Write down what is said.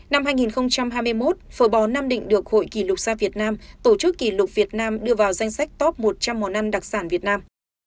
năm hai nghìn hai mươi một phở bò nam định được hội kỷ lục xa việt nam tổ chức kỷ lục việt nam đưa vào danh sách top một trăm linh món ăn đặc sản việt nam